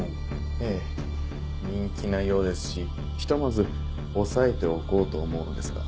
ええ人気なようですしひとまず押さえておこうと思うのですが。